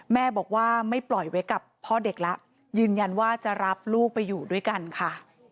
แม่บอกว่าไม่ปล่อยไว้กับพ่อเด็กแล้วยืนยันว่าจะรับลูกไปอยู่ด้วยกันค่ะ